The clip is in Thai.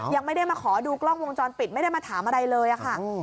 ยังไม่ได้มาขอดูกล้องวงจรปิดไม่ได้มาถามอะไรเลยค่ะ